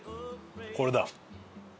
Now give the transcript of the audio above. これだ！